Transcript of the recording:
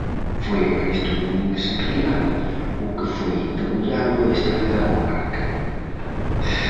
Foi Evaristo Domínguez Rial o que foi debullando a historia da comarca.